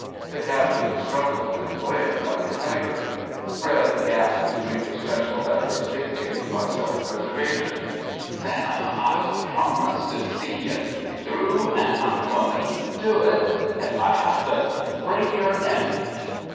The captain struggled and glared like a tiger; Fred gasped between the special efforts dictated by self preservation: "Sam, I promised to to see you through and I'm going to do it, if if I have to break your neck."